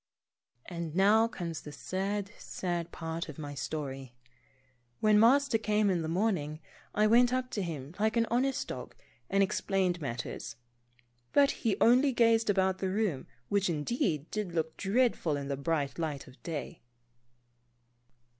And now comes the sad, sad part of my story. When Master came in the next morning, I went up to him like an honest dog, and explained mat Pomposity. 199 ters. But he only gazed about the room, which, indeed, did look dreadful in the bright light of day.